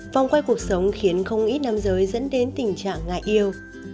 vòng quay cuộc sống khiến không ít nam giới dẫn đến tình trạng ngại yêu